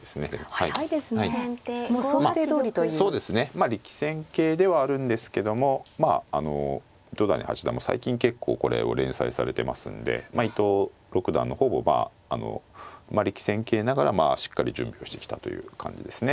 まあ力戦形ではあるんですけどもまああの糸谷八段も最近結構これを連採されてますんで伊藤六段の方もまあ力戦形ながらしっかり準備をしてきたという感じですね。